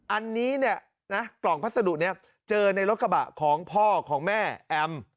อันนี้เนี่ยนะกล่องพัสดุนี้เจอในรถกระบะของพ่อของแม่แอม